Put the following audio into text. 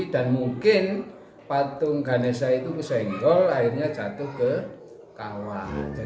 mungkin patung ganesa itu senggol akhirnya jatuh ke kawah